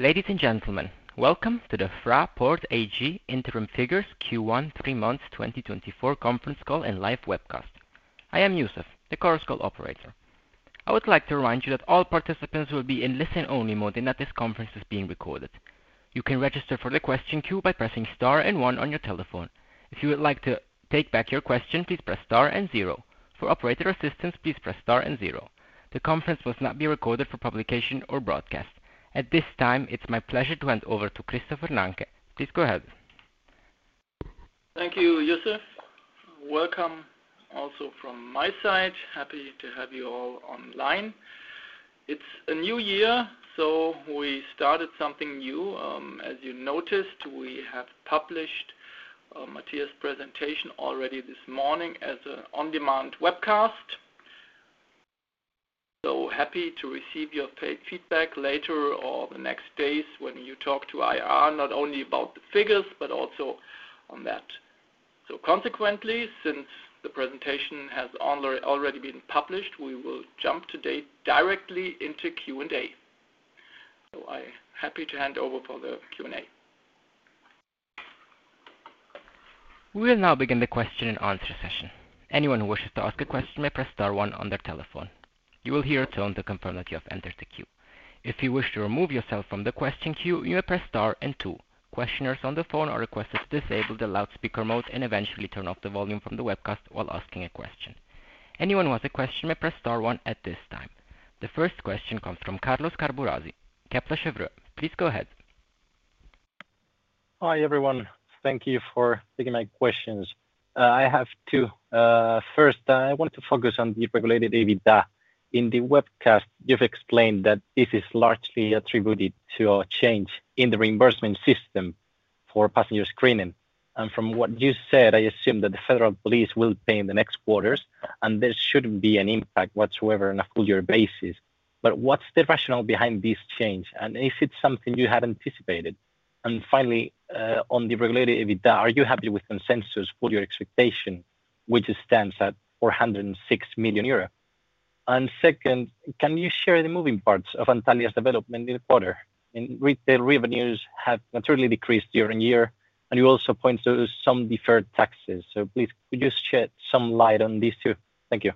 Ladies and gentlemen, welcome to the Fraport AG Interim Figures Q1, 3 Months 2024 Conference Call and Live Webcast. I am Youssef, the Chorus Call Operator. I would like to remind you that all participants will be in listen-only mode, and that this conference is being recorded. You can register for the question queue by pressing star and one on your telephone. If you would like to take back your question, please press star and zero. For operator assistance, please press star and zero. The conference will not be recorded for publication or broadcast. At this time, it's my pleasure to hand over to Christoph Nanke. Please go ahead. Thank you, Youssef. Welcome also from my side. Happy to have you all online. It's a new year, so we started something new. As you noticed, we have published Matthias' presentation already this morning as an on-demand webcast. Happy to receive your feedback later or the next days when you talk to IR, not only about the figures but also on that. Consequently, since the presentation has already been published, we will jump today directly into Q&A. I'm happy to hand over for the Q&A. We will now begin the question and answer session. Anyone who wishes to ask a question may press star one on their telephone. You will hear a tone to confirm that you have entered the queue. If you wish to remove yourself from the question queue, you may press star and two. Questioners on the phone are requested to disable the loudspeaker mode and eventually turn off the volume from the webcast while asking a question. Anyone who has a question may press star one at this time. The first question comes from Carlos Caburrasi, Kepler Cheuvreux. Please go ahead. Hi everyone. Thank you for taking my questions. I have two. First, I want to focus on the regulated EBITDA. In the webcast, you've explained that this is largely attributed to a change in the reimbursement system for passenger screening. From what you said, I assume that the federal police will pay in the next quarters, and there shouldn't be an impact whatsoever on a full-year basis. What is the rationale behind this change, and is it something you had anticipated? Finally, on the regulated EBITDA, are you happy with consensus for your expectation, which stands at 406 million euros? Second, can you share the moving parts of Antalya's development in the quarter? Retail revenues have materially decreased year on year, and you also point to some deferred taxes. Please, could you shed some light on these two? Thank you.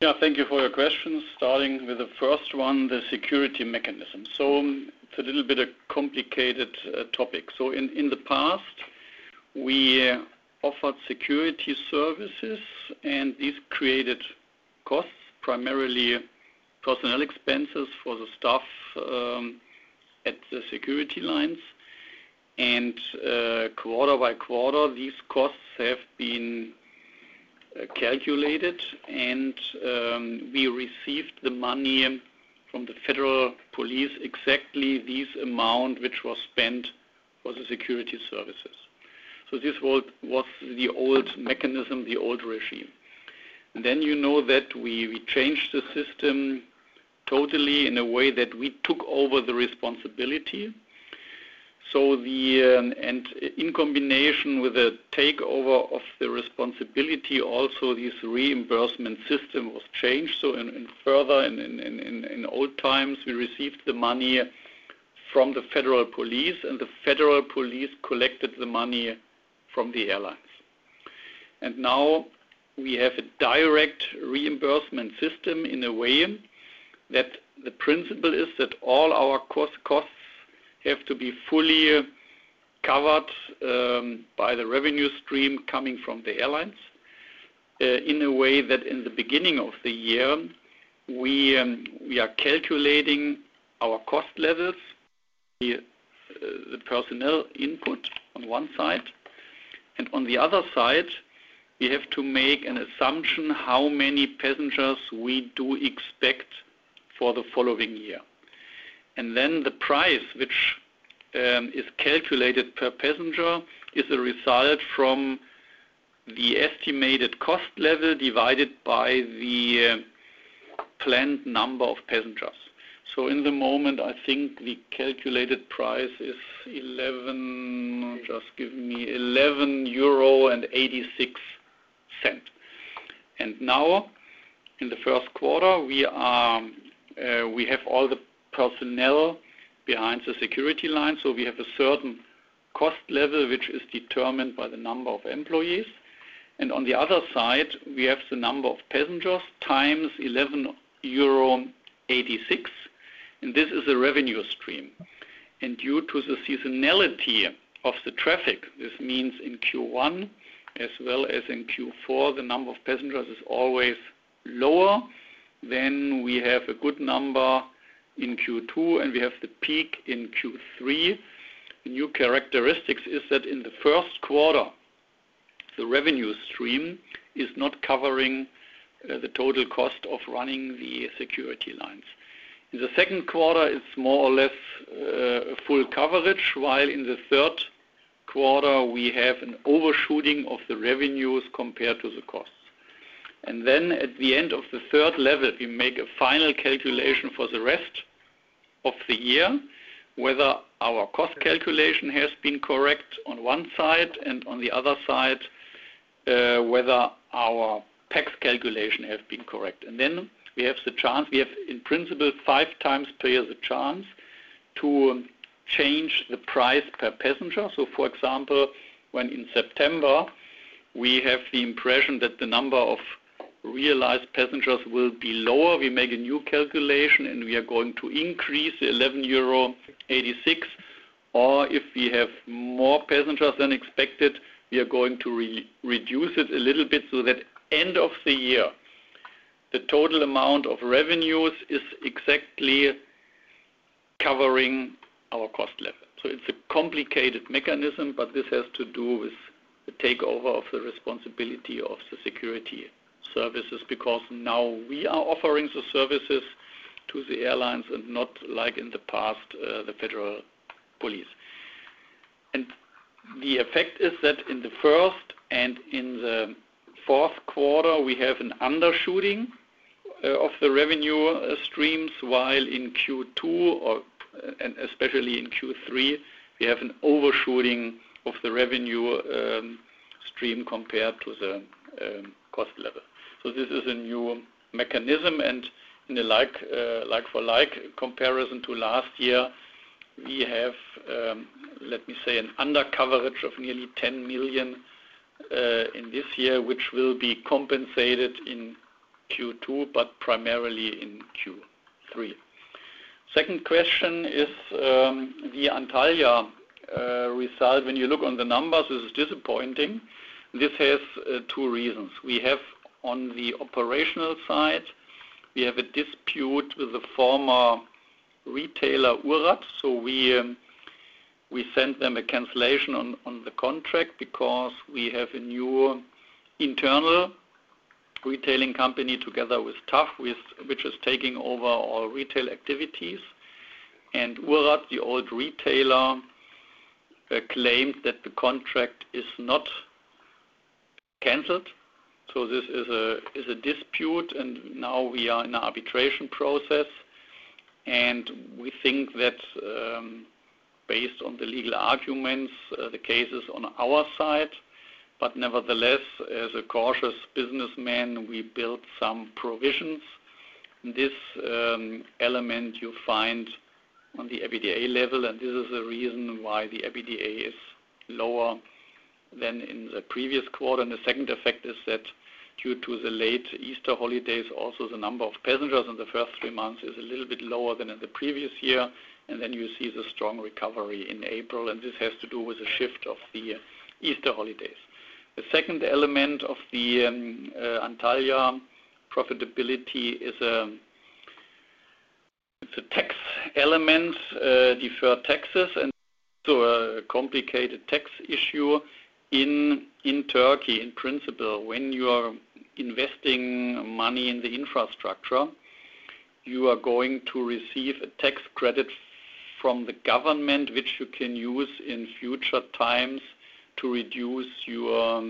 Yeah, thank you for your questions. Starting with the first one, the security mechanism. It's a little bit of a complicated topic. In the past, we offered security services, and these created costs, primarily personnel expenses for the staff at the security lines. Quarter by quarter, these costs have been calculated, and we received the money from the federal police, exactly this amount, which was spent for the security services. This was the old mechanism, the old regime. You know that we changed the system totally in a way that we took over the responsibility. In combination with the takeover of the responsibility, also this reimbursement system was changed. Further, in old times, we received the money from the federal police, and the federal police collected the money from the airlines. Now we have a direct reimbursement system in a way that the principle is that all our costs have to be fully covered by the revenue stream coming from the airlines, in a way that in the beginning of the year, we are calculating our cost levels, the personnel input on one side, and on the other side, we have to make an assumption how many passengers we do expect for the following year. The price, which is calculated per passenger, is a result from the estimated cost level divided by the planned number of passengers. In the moment, I think the calculated price is 11, just give me 11.86 euro. Now, in the first quarter, we have all the personnel behind the security line, so we have a certain cost level, which is determined by the number of employees. On the other side, we have the number of passengers times 11.86 euro, and this is a revenue stream. Due to the seasonality of the traffic, this means in Q1 as well as in Q4, the number of passengers is always lower. We have a good number in Q2, and we have the peak in Q3. The new characteristic is that in the first quarter, the revenue stream is not covering the total cost of running the security lines. In the second quarter, it is more or less full coverage, while in the third quarter, we have an overshooting of the revenues compared to the costs. At the end of the third level, we make a final calculation for the rest of the year, whether our cost calculation has been correct on one side and on the other side, whether our tax calculation has been correct. We have in principle five times per year the chance to change the price per passenger. For example, when in September we have the impression that the number of realized passengers will be lower, we make a new calculation and we are going to increase the 11.86 euro, or if we have more passengers than expected, we are going to reduce it a little bit so that at the end of the year, the total amount of revenues is exactly covering our cost level. It is a complicated mechanism, but this has to do with the takeover of the responsibility of the security services because now we are offering the services to the airlines and not like in the past, the federal police. The effect is that in the first and in the fourth quarter, we have an undershooting of the revenue streams, while in Q2, and especially in Q3, we have an overshooting of the revenue stream compared to the cost level. This is a new mechanism, and in a like-for-like comparison to last year, we have, let me say, an undercoverage of nearly 10 million in this year, which will be compensated in Q2 but primarily in Q3. Second question is the Antalya result. When you look on the numbers, this is disappointing. This has two reasons. We have on the operational side, we have a dispute with the former retailer [ORAT], so we sent them a cancellation on the contract because we have a new internal retailing company together with TAV, which is taking over all retail activities. ORAT, the old retailer, claimed that the contract is not canceled. This is a dispute, and now we are in an arbitration process. We think that based on the legal arguments, the case is on our side, but nevertheless, as a cautious businessman, we built some provisions. This element you find on the EBITDA level, and this is the reason why the EBITDA is lower than in the previous quarter. The second effect is that due to the late Easter holidays, also the number of passengers in the first three months is a little bit lower than in the previous year, and you see the strong recovery in April. This has to do with the shift of the Easter holidays. The second element of the Antalya profitability is a tax element, deferred taxes, and a complicated tax issue in Turkey. In principle, when you are investing money in the infrastructure, you are going to receive a tax credit from the government, which you can use in future times to reduce your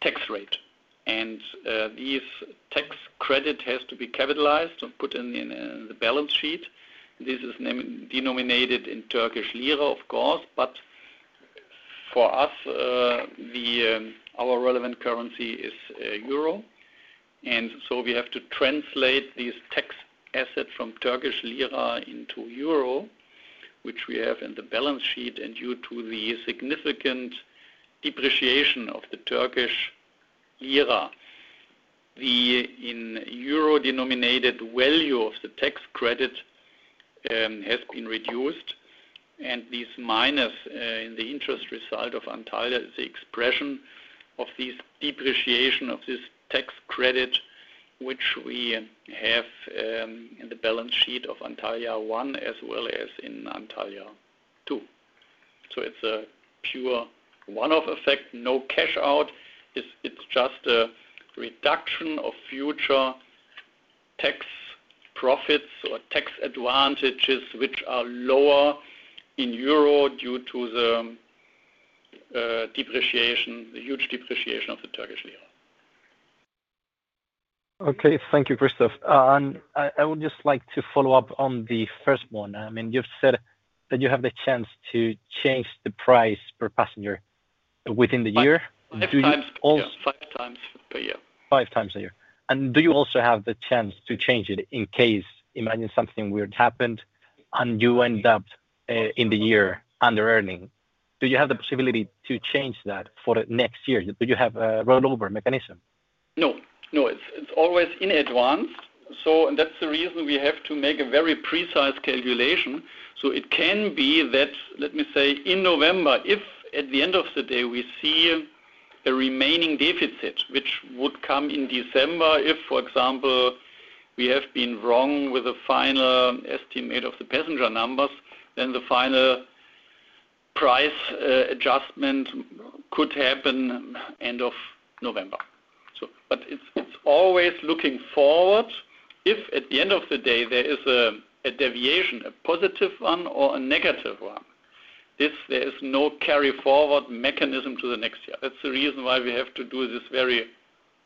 tax rate. This tax credit has to be capitalized and put in the balance sheet. This is denominated in Turkish lira, of course, but for us, our relevant currency is EUR. We have to translate this tax asset from Turkish lira into EUR, which we have in the balance sheet. Due to the significant depreciation of the Turkish lira, the EUR-denominated value of the tax credit has been reduced. This minus in the interest result of Antalya is the expression of this depreciation of this tax credit, which we have in the balance sheet of Antalya 1 as well as in Antalya 2. It is a pure one-off effect, no cash-out. It's just a reduction of future tax profits or tax advantages, which are lower in EUR due to the depreciation, the huge depreciation of the Turkish lira. Okay, thank you, Christoph. I would just like to follow up on the first one. I mean, you've said that you have the chance to change the price per passenger within the year. At times, five times per year. Five times a year. Do you also have the chance to change it in case something weird happened and you end up in the year under earning? Do you have the possibility to change that for next year? Do you have a rollover mechanism? No, no. It's always in advance. That's the reason we have to make a very precise calculation. It can be that, let me say, in November, if at the end of the day we see a remaining deficit, which would come in December if, for example, we have been wrong with the final estimate of the passenger numbers, then the final price adjustment could happen end of November. It's always looking forward if at the end of the day there is a deviation, a positive one or a negative one. There is no carry-forward mechanism to the next year. That's the reason why we have to do this very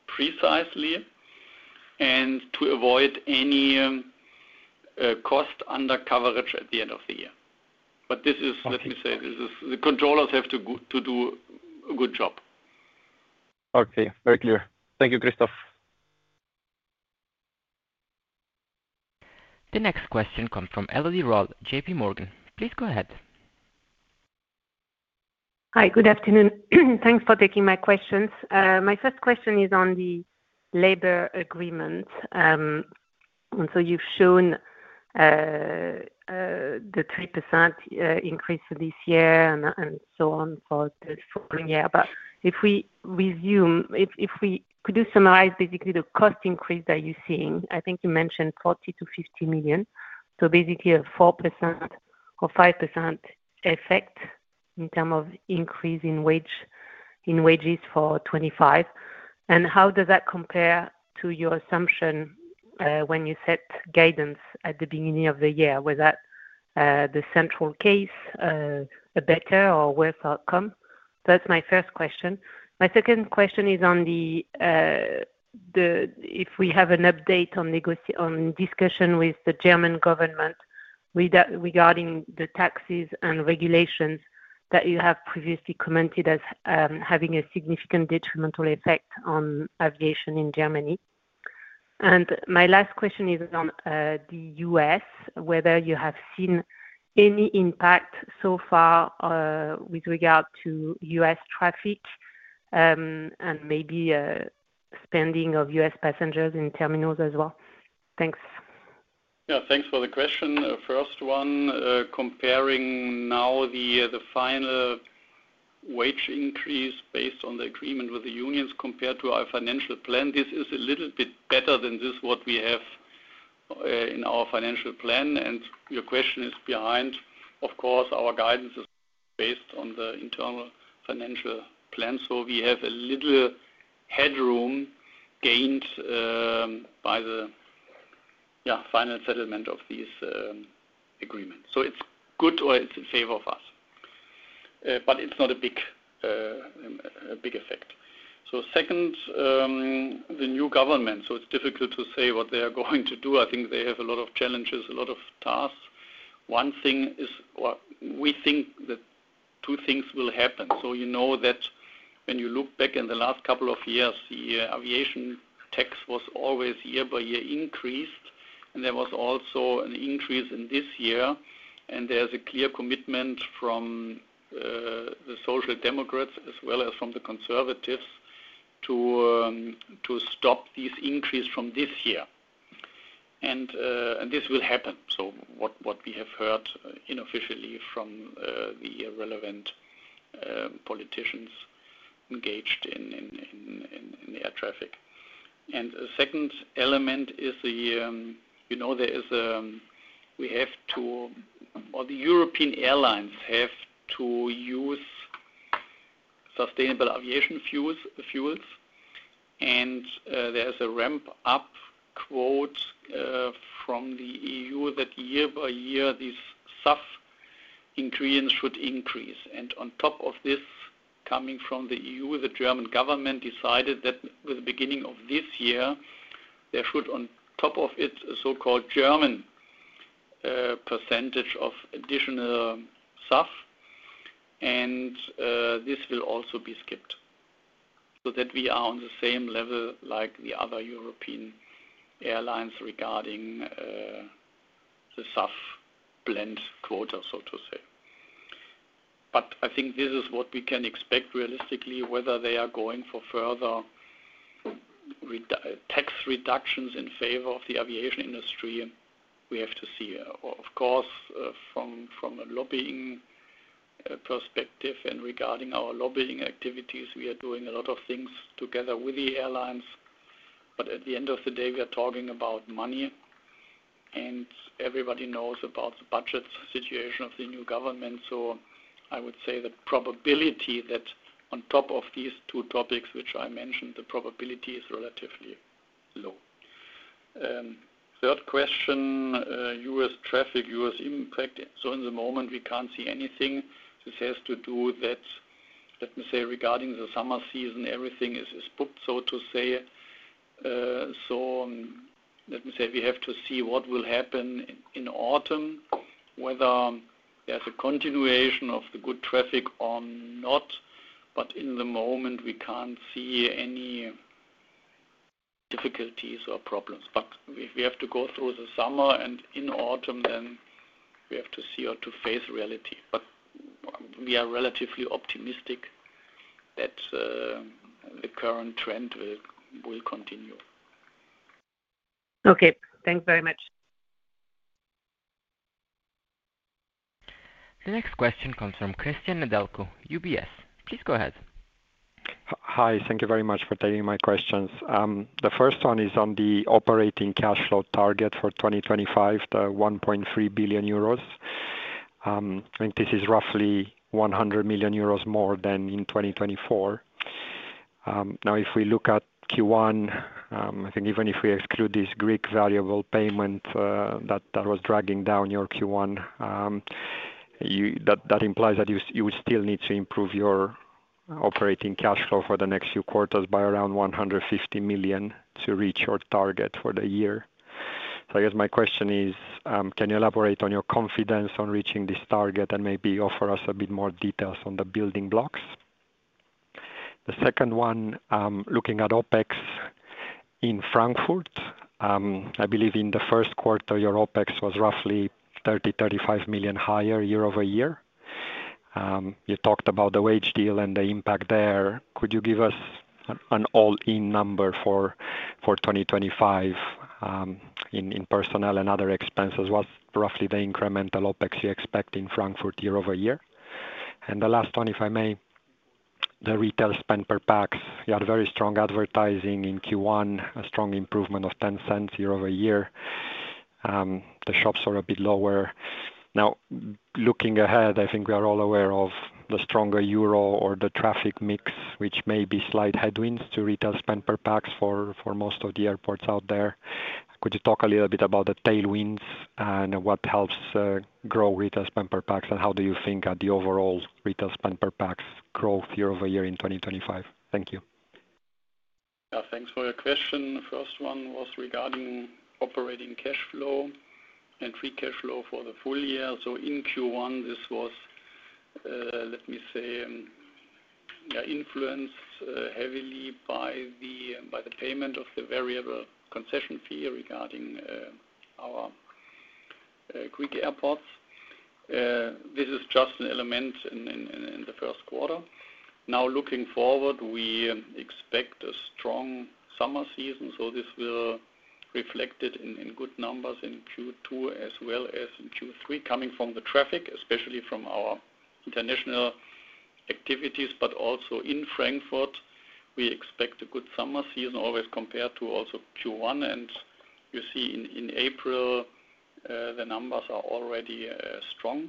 precisely and to avoid any cost undercoverage at the end of the year. This is, let me say, the controllers have to do a good job. Okay, very clear. Thank you, Christoph. The next question comes from Elodie Rall, JPMorgan. Please go ahead. Hi, good afternoon. Thanks for taking my questions. My first question is on the labor agreement. You have shown the 3% increase this year and so on for the following year. If we resume, if we could just summarize basically the cost increase that you are seeing, I think you mentioned 40 million-50 million. Basically a 4%-5% effect in terms of increase in wages for 2025. How does that compare to your assumption when you set guidance at the beginning of the year? Was that the central case, a better or worse outcome? That is my first question. My second question is if we have an update on discussion with the German government regarding the taxes and regulations that you have previously commented as having a significant detrimental effect on aviation in Germany. My last question is on the U.S., whether you have seen any impact so far with regard to U.S. traffic and maybe spending of U.S. passengers in terminals as well. Thanks. Yeah, thanks for the question. First one, comparing now the final wage increase based on the agreement with the unions compared to our financial plan, this is a little bit better than what we have in our financial plan. Your question is behind, of course, our guidance is based on the internal financial plan. We have a little headroom gained by the final settlement of these agreements. It is good or it is in favor of us, but it is not a big effect. Second, the new government, it is difficult to say what they are going to do. I think they have a lot of challenges, a lot of tasks. One thing is we think that two things will happen. You know that when you look back in the last couple of years, the aviation tax was always year by year increased, and there was also an increase in this year. There is a clear commitment from the Social Democrats as well as from the Conservatives to stop this increase from this year. This will happen. What we have heard inofficially from the relevant politicians engaged in air traffic. The second element is there is a we have to, or the European airlines have to use sustainable aviation fuels. There is a ramp-up quote from the EU that year by year these SAF increments should increase. On top of this, coming from the EU, the German government decided that with the beginning of this year, there should, on top of it, a so-called German percentage of additional SAF, and this will also be skipped so that we are on the same level like the other European airlines regarding the SAF blend quota, so to say. I think this is what we can expect realistically, whether they are going for further tax reductions in favor of the aviation industry, we have to see. Of course, from a lobbying perspective and regarding our lobbying activities, we are doing a lot of things together with the airlines. At the end of the day, we are talking about money, and everybody knows about the budget situation of the new government. I would say the probability that on top of these two topics, which I mentioned, the probability is relatively low. Third question, U.S. traffic, U.S. impact. In the moment, we can't see anything. This has to do with, let me say, regarding the summer season, everything is booked, so to say. Let me say we have to see what will happen in autumn, whether there's a continuation of the good traffic or not. In the moment, we can't see any difficulties or problems. We have to go through the summer, and in autumn, then we have to see or to face reality. We are relatively optimistic that the current trend will continue. Okay, thanks very much. The next question comes from Cristian Nedelcu, UBS. Please go ahead. Hi, thank you very much for taking my questions. The first one is on the operating cash flow target for 2025, the 1.3 billion euros. I think this is roughly 100 million euros more than in 2024. Now, if we look at Q1, I think even if we exclude this Greek variable payment that was dragging down your Q1, that implies that you still need to improve your operating cash flow for the next few quarters by around 150 million to reach your target for the year. I guess my question is, can you elaborate on your confidence on reaching this target and maybe offer us a bit more details on the building blocks? The second one, looking at OPEX in Frankfurt, I believe in the first quarter, your OPEX was roughly 30 million-35 million higher year over year. You talked about the wage deal and the impact there. Could you give us an all-in number for 2025 in personnel and other expenses? What's roughly the incremental OPEX you expect in Frankfurt year over year? The last one, if I may, the retail spend per pax. You had very strong advertising in Q1, a strong improvement of 0.10 year over year. The shops are a bit lower. Now, looking ahead, I think we are all aware of the stronger euro or the traffic mix, which may be slight headwinds to retail spend per pax for most of the airports out there. Could you talk a little bit about the tailwinds and what helps grow retail spend per pax, and how do you think the overall retail spend per pax growth year over year in 2025? Thank you. Yeah, thanks for your question. The first one was regarding operating cash flow and free cash flow for the full year. In Q1, this was, let me say, influenced heavily by the payment of the variable concession fee regarding our Greek airports. This is just an element in the first quarter. Now, looking forward, we expect a strong summer season. This will reflect in good numbers in Q2 as well as in Q3 coming from the traffic, especially from our international activities, but also in Frankfurt. We expect a good summer season, always compared to also Q1. You see in April, the numbers are already strong.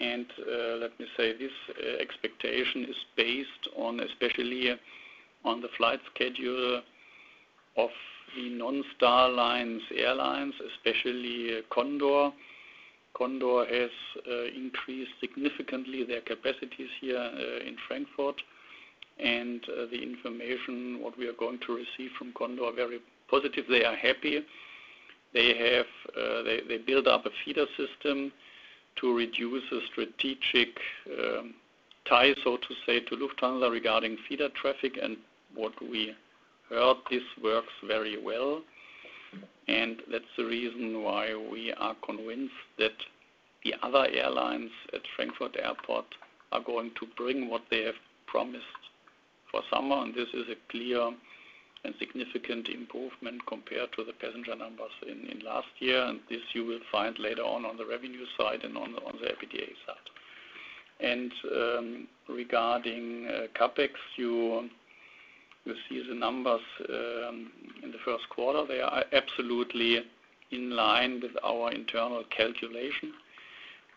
Let me say this expectation is based especially on the flight schedule of the non-Star Alliance airlines, especially Condor. Condor has increased significantly their capacities here in Frankfurt. The information we are going to receive from Condor is very positive. They are happy. They build up a feeder system to reduce the strategic tie, so to say, to Lufthansa regarding feeder traffic. What we heard, this works very well. That is the reason why we are convinced that the other airlines at Frankfurt Airport are going to bring what they have promised for summer. This is a clear and significant improvement compared to the passenger numbers in last year. This you will find later on on the revenue side and on the EBITDA side. Regarding CapEx, you see the numbers in the first quarter. They are absolutely in line with our internal calculation.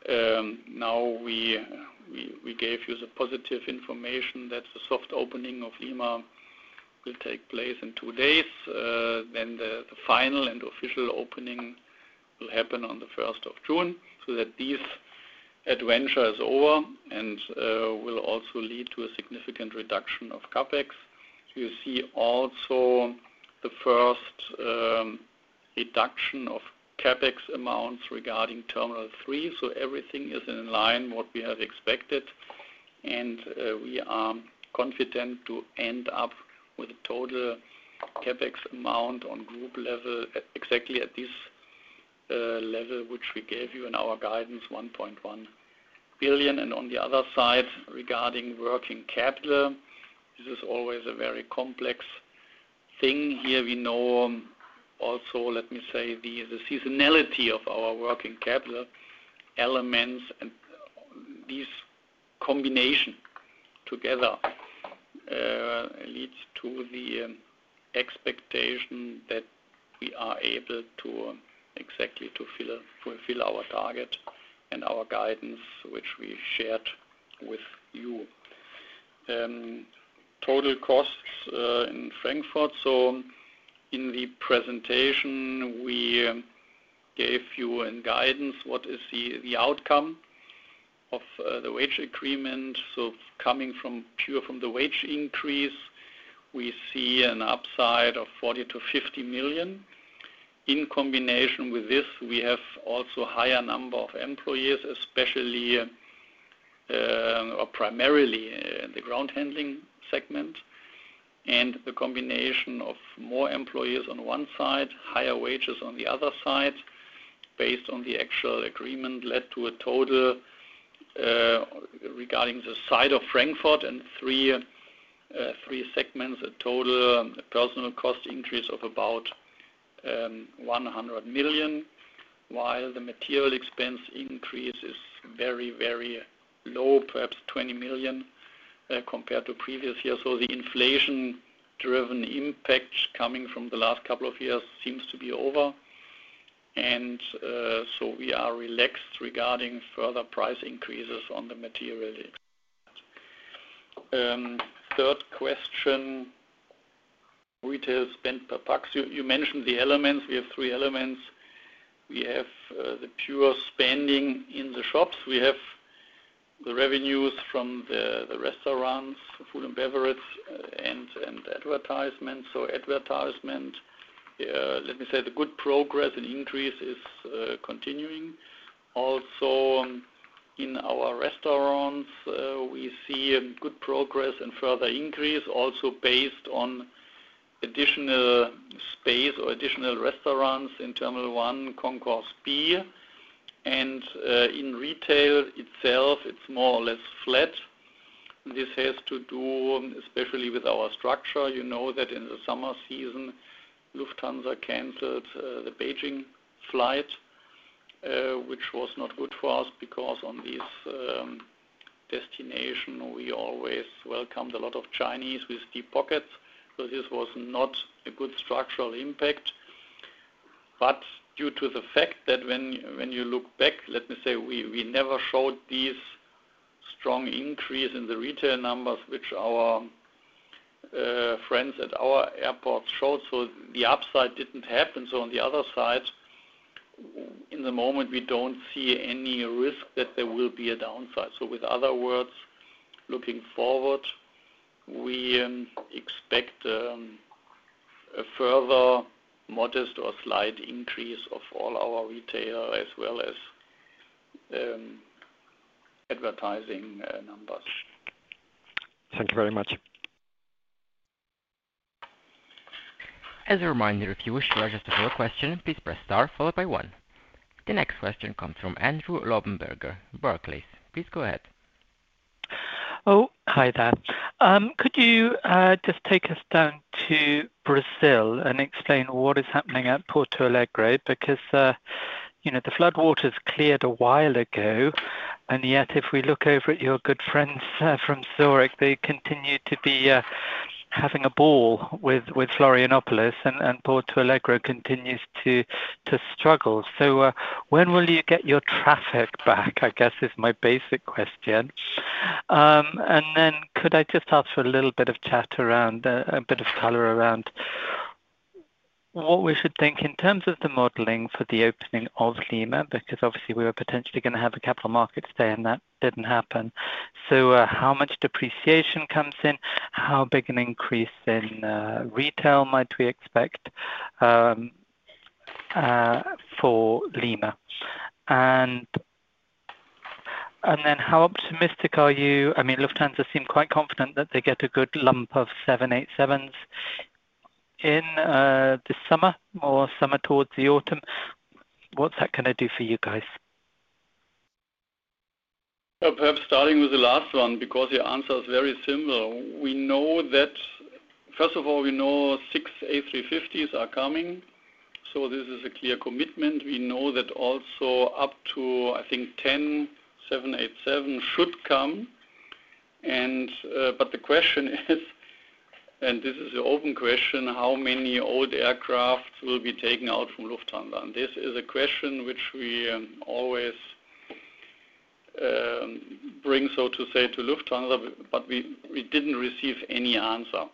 We gave you the positive information that the soft opening of Lima will take place in two days. The final and official opening will happen on the 1st of June. That means this adventure is over and will also lead to a significant reduction of CapEx. You see also the first reduction of CapEx amounts regarding Terminal 3. Everything is in line with what we have expected. We are confident to end up with a total CapEx amount on group level exactly at this level, which we gave you in our guidance, 1.1 billion. On the other side, regarding working capital, this is always a very complex thing. Here we know also, let me say, the seasonality of our working capital elements. This combination together leads to the expectation that we are able to exactly fulfill our target and our guidance, which we shared with you. Total costs in Frankfurt. In the presentation, we gave you in guidance what is the outcome of the wage agreement. Coming pure from the wage increase, we see an upside of 40 million-50 million. In combination with this, we have also a higher number of employees, especially or primarily in the ground handling segment. The combination of more employees on one side, higher wages on the other side, based on the actual agreement, led to a total regarding the side of Frankfurt and three segments, a total personnel cost increase of about 100 million, while the material expense increase is very, very low, perhaps 20 million compared to previous years. The inflation-driven impact coming from the last couple of years seems to be over. We are relaxed regarding further price increases on the material expense. Third question, retail spend per pax. You mentioned the elements. We have three elements. We have the pure spending in the shops. We have the revenues from the restaurants, food and beverage, and advertisements. Advertisement, let me say the good progress and increase is continuing. Also in our restaurants, we see good progress and further increase, also based on additional space or additional restaurants in Terminal 1, concourse B. In retail itself, it is more or less flat. This has to do especially with our structure. You know that in the summer season, Lufthansa canceled the Beijing flight, which was not good for us because on this destination, we always welcomed a lot of Chinese with steep pockets. This was not a good structural impact. Due to the fact that when you look back, let me say we never showed this strong increase in the retail numbers, which our friends at our airports showed. The upside did not happen. On the other side, in the moment, we do not see any risk that there will be a downside. With other words, looking forward, we expect a further modest or slight increase of all our retail as well as advertising numbers. Thank you very much. As a reminder, if you wish to register for a question, please press star followed by one. The next question comes from Andrew Lobbenberg, Barclays. Please go ahead. Oh, hi there. Could you just take us down to Brazil and explain what is happening at Porto Alegre? Because the floodwaters cleared a while ago, and yet if we look over at your good friends from Zurich, they continue to be having a ball with Florianópolis, and Porto Alegre continues to struggle. When will you get your traffic back? I guess is my basic question. Could I just ask for a little bit of chat around, a bit of color around what we should think in terms of the modeling for the opening of Lima? Because obviously, we were potentially going to have a capital markets day, and that did not happen. How much depreciation comes in? How big an increase in retail might we expect for Lima? How optimistic are you? I mean, Lufthansa seemed quite confident that they get a good lump of seven, eight, sevens in the summer or summer towards the autumn. What's that going to do for you guys? Perhaps starting with the last one because your answer is very similar. We know that, first of all, we know six A350s are coming. This is a clear commitment. We know that also up to, I think, 10 787 should come. The question is, and this is an open question, how many old aircraft will be taken out from Lufthansa? This is a question which we always bring, so to say, to Lufthansa, but we did not receive any answer.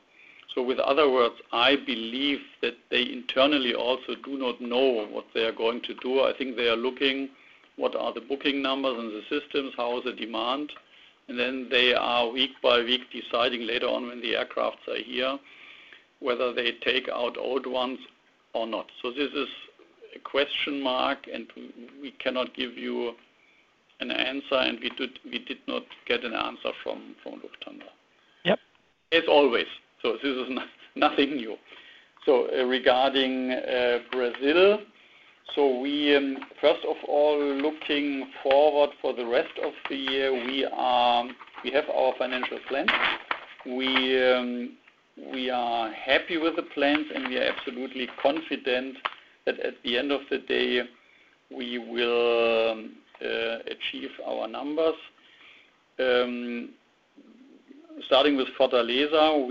In other words, I believe that they internally also do not know what they are going to do. I think they are looking at what are the booking numbers in the systems, how is the demand? They are week by week deciding later on when the aircraft are here whether they take out old ones or not. This is a question mark, and we cannot give you an answer, and we did not get an answer from Lufthansa. Yep. As always. This is nothing new. Regarding Brazil, first of all, looking forward for the rest of the year, we have our financial plans. We are happy with the plans, and we are absolutely confident that at the end of the day, we will achieve our numbers. Starting with Fortaleza,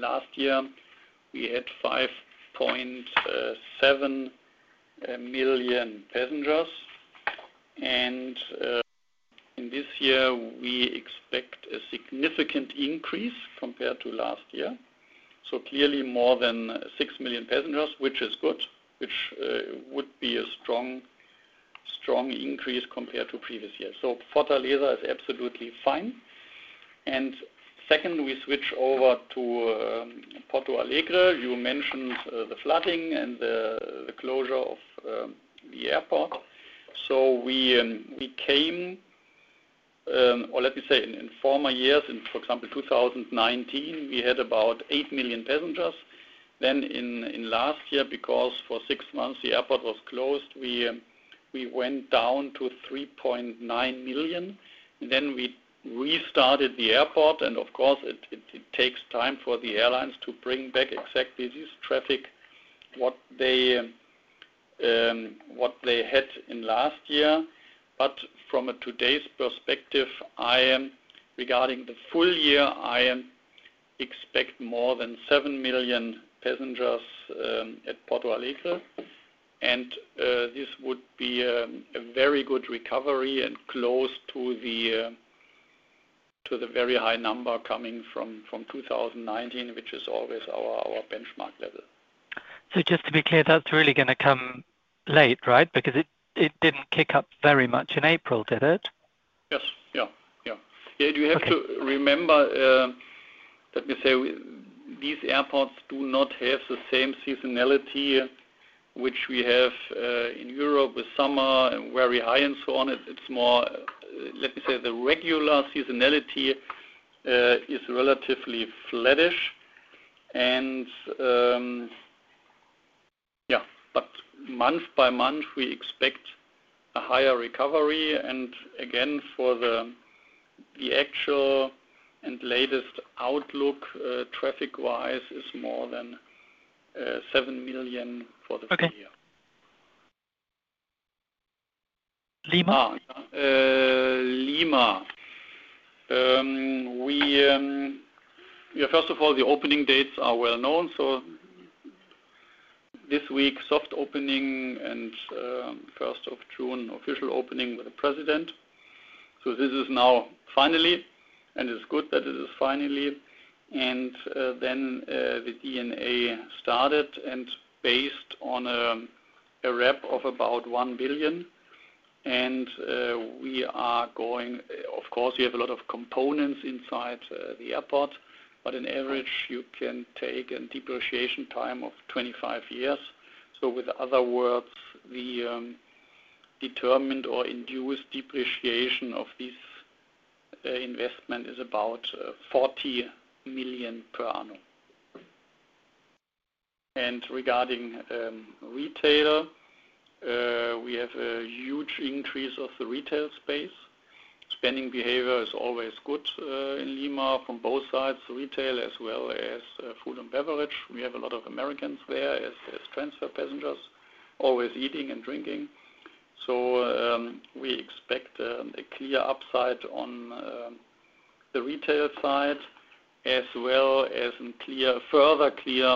last year, we had 5.7 million passengers. In this year, we expect a significant increase compared to last year. Clearly more than 6 million passengers, which is good, which would be a strong increase compared to the previous year. Fortaleza is absolutely fine. Second, we switch over to Porto Alegre. You mentioned the flooding and the closure of the airport. In former years, for example, 2019, we had about 8 million passengers. Last year, because for six months the airport was closed, we went down to 3.9 million. We restarted the airport. Of course, it takes time for the airlines to bring back exactly this traffic, what they had in last year. From today's perspective, regarding the full year, I expect more than 7 million passengers at Porto Alegre. This would be a very good recovery and close to the very high number coming from 2019, which is always our benchmark level. Just to be clear, that's really going to come late, right? Because it didn't kick up very much in April, did it? Yes. Yeah. You have to remember, let me say, these airports do not have the same seasonality which we have in Europe with summer and very high and so on. It is more, let me say, the regular seasonality is relatively flattish. Yeah, but month by month, we expect a higher recovery. Again, for the actual and latest outlook, traffic-wise, it is more than 7 million for the full year. Okay. Lima? Lima. Yeah. First of all, the opening dates are well known. This week, soft opening and 1st of June, official opening with the president. This is now finally, and it is good that it is finally. The DNA started and based on a rep of about 1 billion. We are going, of course, we have a lot of components inside the airport, but on average, you can take a depreciation time of 25 years. With other words, the determined or induced depreciation of this investment is about 40 million per annum. Regarding retail, we have a huge increase of the retail space. Spending behavior is always good in Lima from both sides, retail as well as food and beverage. We have a lot of Americans there as transfer passengers, always eating and drinking. We expect a clear upside on the retail side as well as a further clear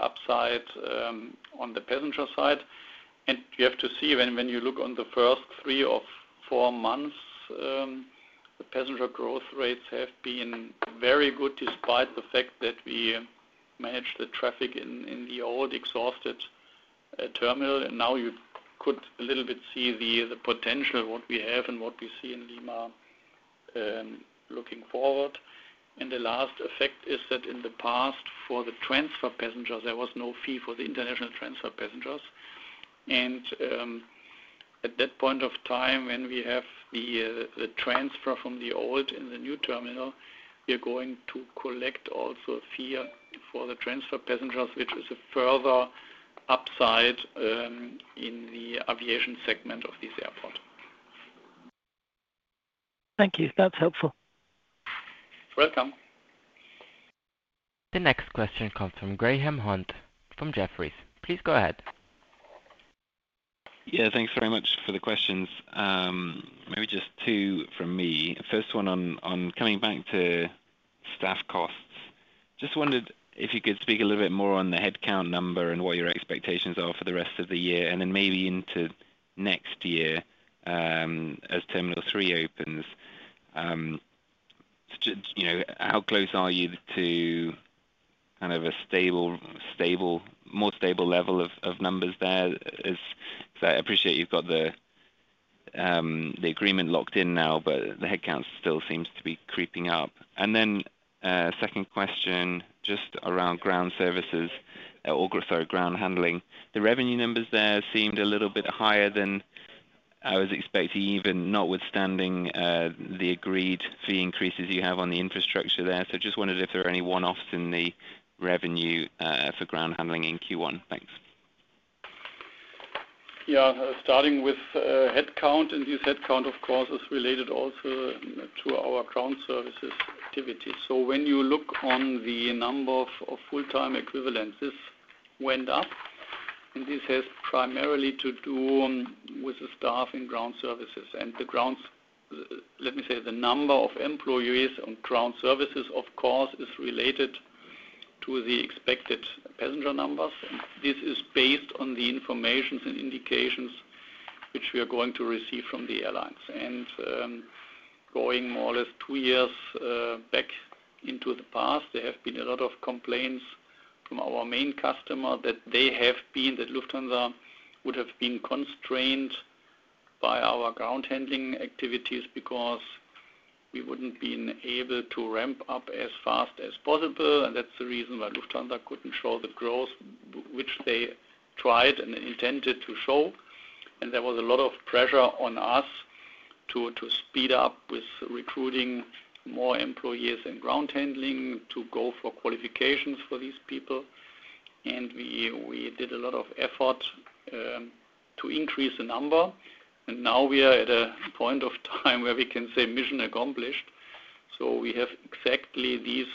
upside on the passenger side. You have to see when you look at the first three or four months, the passenger growth rates have been very good despite the fact that we managed the traffic in the old exhausted terminal. Now you could a little bit see the potential, what we have and what we see in Lima looking forward. The last effect is that in the past, for the transfer passengers, there was no fee for the international transfer passengers. At that point in time, when we have the transfer from the old to the new terminal, we are going to collect also a fee for the transfer passengers, which is a further upside in the aviation segment of this airport. Thank you. That's helpful. Welcome. The next question comes from Graham Hunt from Jefferies. Please go ahead. Yeah. Thanks very much for the questions. Maybe just two from me. First one on coming back to staff costs. Just wondered if you could speak a little bit more on the headcount number and what your expectations are for the rest of the year, and then maybe into next year as Terminal 3 opens. How close are you to kind of a more stable level of numbers there? Because I appreciate you've got the agreement locked in now, but the headcount still seems to be creeping up. And then second question just around ground services, sorry, ground handling. The revenue numbers there seemed a little bit higher than I was expecting, even notwithstanding the agreed fee increases you have on the infrastructure there. Just wondered if there are any one-offs in the revenue for ground handling in Q1. Thanks. Yeah. Starting with headcount, and this headcount, of course, is related also to our ground services activity. When you look on the number of full-time equivalents, this went up. This has primarily to do with the staff in ground services. Let me say the number of employees on ground services, of course, is related to the expected passenger numbers. This is based on the information and indications which we are going to receive from the airlines. Going more or less two years back into the past, there have been a lot of complaints from our main customer that they have been that Lufthansa would have been constrained by our ground handling activities because we would not have been able to ramp up as fast as possible. That is the reason why Lufthansa could not show the growth, which they tried and intended to show. There was a lot of pressure on us to speed up with recruiting more employees in ground handling to go for qualifications for these people. We did a lot of effort to increase the number. Now we are at a point of time where we can say mission accomplished. We have exactly this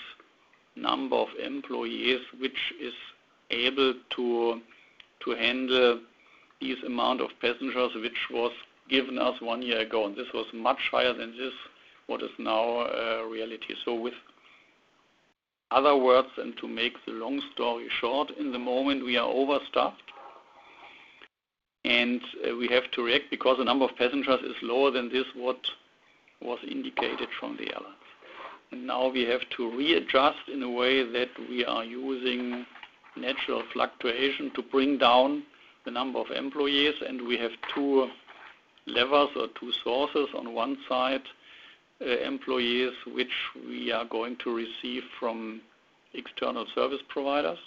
number of employees which is able to handle this amount of passengers, which was given us one year ago. This was much higher than what is now reality. In other words, to make the long story short, in the moment, we are overstaffed. We have to react because the number of passengers is lower than what was indicated from the airlines. Now we have to readjust in a way that we are using natural fluctuation to bring down the number of employees. We have two levers or two sources. On one side, employees which we are going to receive from external service providers.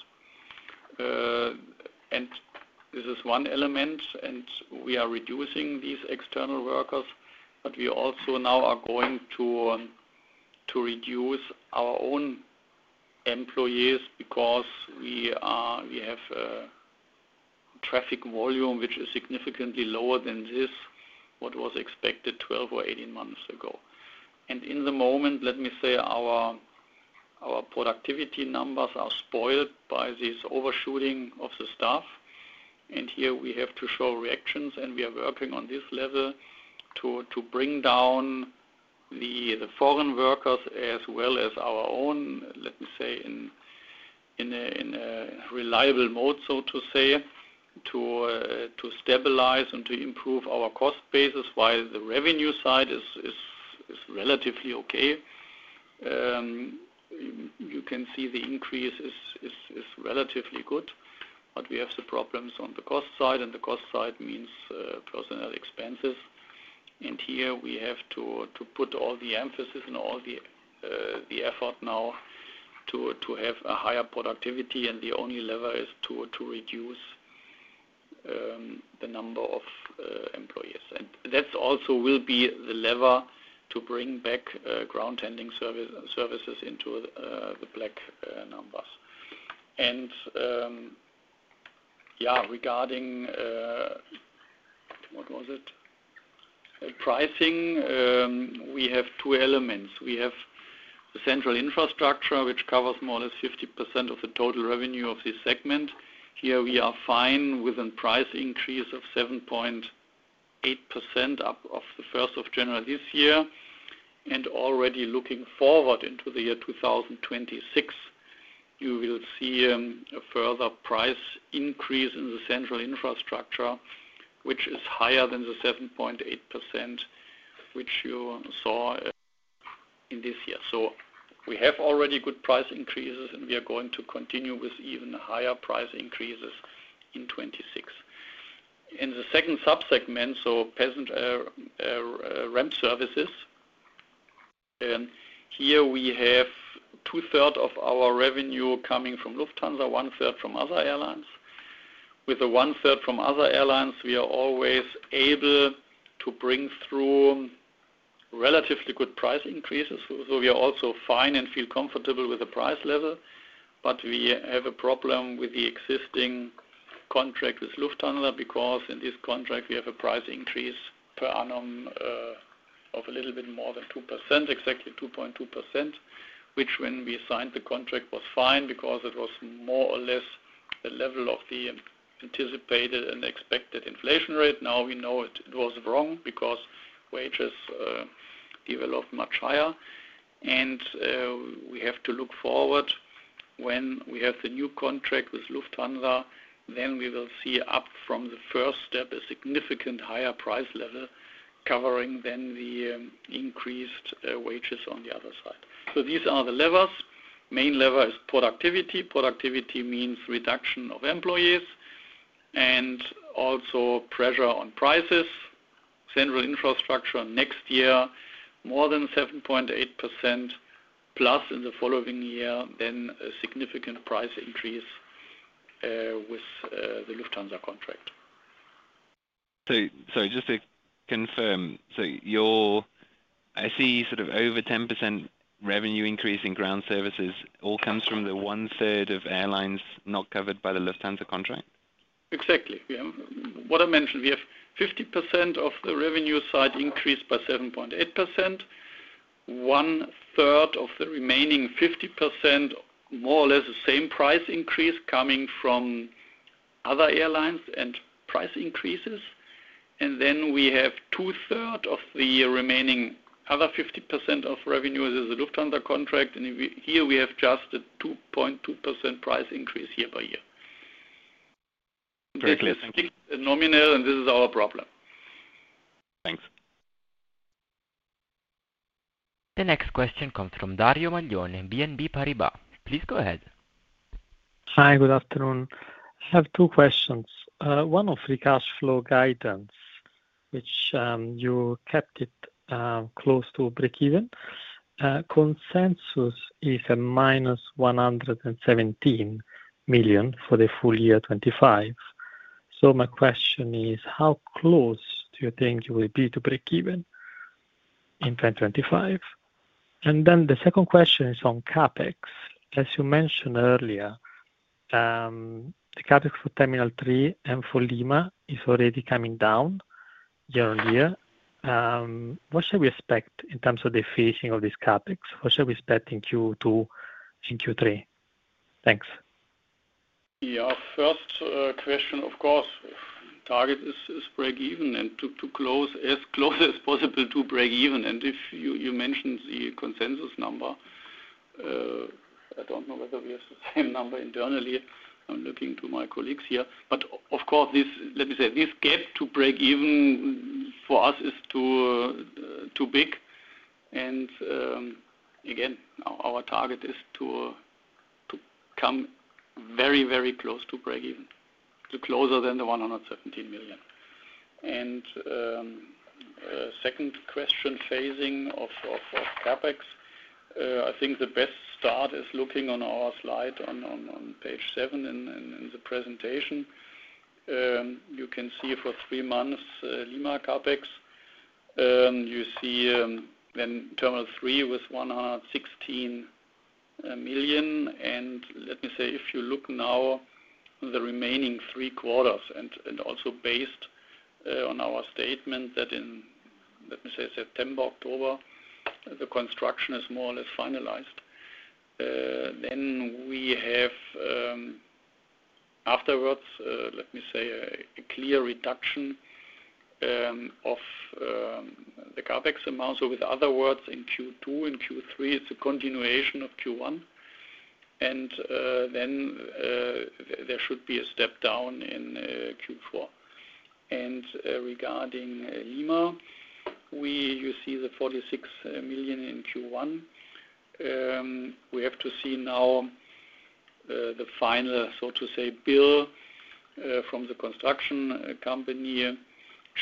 This is one element. We are reducing these external workers, but we also now are going to reduce our own employees because we have a traffic volume which is significantly lower than what was expected 12 or 18 months ago. At the moment, let me say our productivity numbers are spoiled by this overshooting of the staff. We have to show reactions. We are working on this level to bring down the foreign workers as well as our own, let me say, in a reliable mode, so to say, to stabilize and to improve our cost basis while the revenue side is relatively okay. You can see the increase is relatively good, but we have the problems on the cost side. The cost side means personnel expenses. Here we have to put all the emphasis and all the effort now to have higher productivity. The only lever is to reduce the number of employees. That also will be the lever to bring back ground handling services into the black numbers. Yeah, regarding what was it, pricing, we have two elements. We have the central infrastructure, which covers more or less 50% of the total revenue of this segment. Here we are fine with a price increase of 7.8% as of January 1st this year. Already looking forward into the year 2026, you will see a further price increase in the central infrastructure, which is higher than the 7.8% which you saw in this year. We have already good price increases, and we are going to continue with even higher price increases in 2026. In the second subsegment, ramp services, here we have two-thirds of our revenue coming from Lufthansa, one-third from other airlines. With the one-third from other airlines, we are always able to bring through relatively good price increases. We are also fine and feel comfortable with the price level. We have a problem with the existing contract with Lufthansa because in this contract, we have a price increase per annum of a little bit more than 2%, exactly 2.2%, which when we signed the contract was fine because it was more or less the level of the anticipated and expected inflation rate. Now we know it was wrong because wages developed much higher. We have to look forward when we have the new contract with Lufthansa, then we will see up from the first step a significant higher price level covering then the increased wages on the other side. These are the levers. Main lever is productivity. Productivity means reduction of employees and also pressure on prices. Central infrastructure next year, more than 7.8% plus in the following year, then a significant price increase with the Lufthansa contract. Just to confirm, I see sort of over 10% revenue increase in ground services. All comes from the one-third of airlines not covered by the Lufthansa contract? Exactly. Yeah. What I mentioned, we have 50% of the revenue side increased by 7.8%, one-third of the remaining 50%, more or less the same price increase coming from other airlines and price increases. Then we have two-thirds of the remaining other 50% of revenue is the Lufthansa contract. Here we have just a 2.2% price increase year by year. Exactly. It's a nominal, and this is our problem. Thanks. The next question comes from Dario Maglione, BNP Paribas. Please go ahead. Hi. Good afternoon. I have two questions. One on reverse flow guidance, which you kept it close to break-even. Consensus is a minus 117 million for the full year 2025. My question is, how close do you think you will be to break-even in 2025? The second question is on CapEx. As you mentioned earlier, the CapEx for Terminal 3 and for Lima is already coming down year on year. What should we expect in terms of the phasing of this CapEx? What should we expect in Q2 and Q3? Thanks. Yeah. First question, of course, target is break-even and to close as close as possible to break-even. If you mentioned the consensus number, I do not know whether we have the same number internally. I am looking to my colleagues here. Of course, let me say, this gap to break-even for us is too big. Again, our target is to come very, very close to break-even, closer than the 117 million. Second question, phasing of CapEx, I think the best start is looking on our slide on page 7 in the presentation. You can see for three months, Lima CapEx, you see then Terminal 3 with 116 million. Let me say, if you look now, the remaining three quarters, and also based on our statement that in, let me say, September, October, the construction is more or less finalized, we have afterwards, let me say, a clear reduction of the CapEx amount. With other words, in Q2 and Q3, it is a continuation of Q1. There should be a step down in Q4. Regarding Lima, you see the 46 million in Q1. We have to see now the final, so to say, bill from the construction company,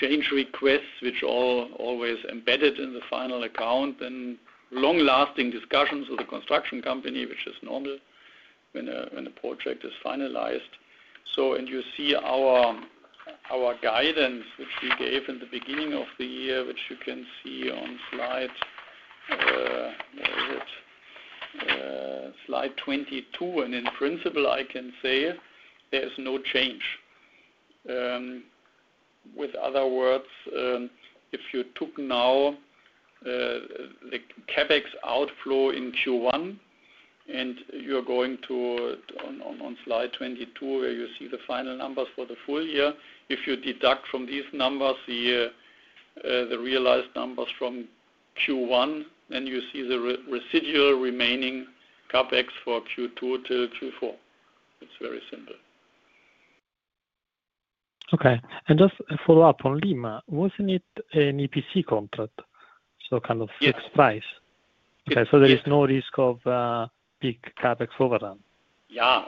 change requests, which are always embedded in the final account, then long-lasting discussions with the construction company, which is normal when a project is finalized. You see our guidance, which we gave in the beginning of the year, which you can see on slide, where is it? Slide 22. In principle, I can say there is no change. With other words, if you took now the CapEx outflow in Q1 and you are going to slide 22, where you see the final numbers for the full year, if you deduct from these numbers the realized numbers from Q1, then you see the residual remaining CapEx for Q2 till Q4. It is very simple. Okay. Just a follow-up on Lima. Wasn't it an EPC contract? So kind of fixed price? Yes. Okay. So there is no risk of big CapEx overrun? Yeah.